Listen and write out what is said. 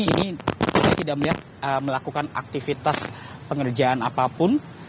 ini tidak melakukan aktivitas pengerjaan apapun